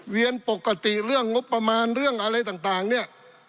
ปกติเรื่องงบประมาณเรื่องอะไรต่างเนี่ย